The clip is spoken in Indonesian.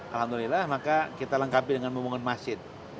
alhamdulillah maka kita lengkapi dengan membangun masjid